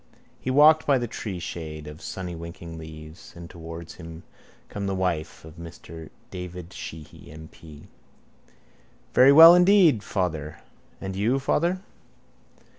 _ He walked by the treeshade of sunnywinking leaves: and towards him came the wife of Mr David Sheehy M.P. —Very well, indeed, father. And you, father?